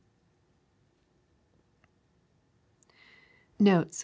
Notes.